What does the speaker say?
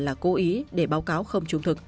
là cố ý để báo cáo không trung thực